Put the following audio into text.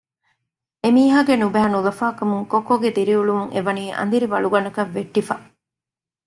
އެމީހާގެ ނުބައި ނުލަފާކަމުން ކޮއްކޮގެ ދިރިއުޅުން އެވަނީ އަނދިރި ވަޅުގަނޑަކަށް ވެއްޓިފަ